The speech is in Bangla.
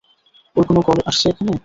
ওর কোনো কল আসছে এখানে?